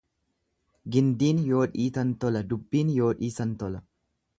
Gindiin yoo dhitan tola dubbiin yoo dhiisan tola.